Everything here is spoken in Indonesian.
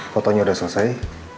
fotonya udah selesai